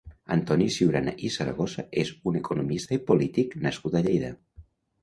Antoni Siurana i Zaragoza és un economista i polític nascut a Lleida.